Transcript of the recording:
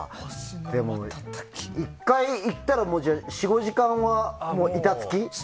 でも、１回行ったら４５時間は板付き？